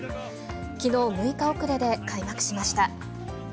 きのう６日遅れで開幕しました。